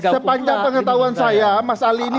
sepanjang pengetahuan saya mas ali ini